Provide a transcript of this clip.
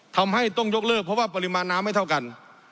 ทำให้ต้องยกเลิกเพราะว่าปริมาณน้ำไม่เท่ากัน